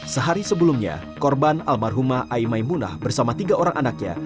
sehari sebelumnya korban almarhumah aimai munah bersama tiga orang anaknya